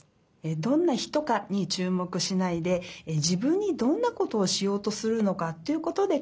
どんな人かにちゅうもくしないでじぶんにどんなことをしようとするのかということでかんがえます。